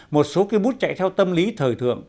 một số ký bút chạy theo tâm lý thời thường